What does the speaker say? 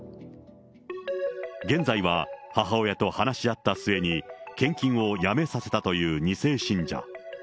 現在は母親と話し合った末に、献金をやめさせたという２世信者。